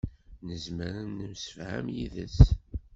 Nezmer ad nemsefham yid-s.